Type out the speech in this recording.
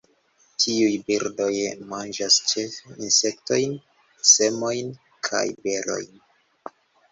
Tiuj birdoj manĝas ĉefe insektojn, semojn kaj berojn.